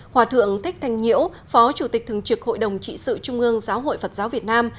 hòa thượng thích thanh nhiễu phó chủ tịch thường trực hội đồng trị sự trung ương giáo hội phật giáo việt nam